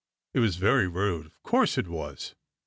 It was very rude. Of course it was.